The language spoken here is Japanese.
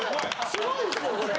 すごいんすよこれ。